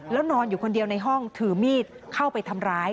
แล้วนอนอยู่คนเดียวในห้องถือมีดเข้าไปทำร้าย